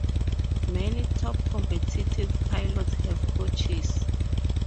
Many top competitive pilots have coaches.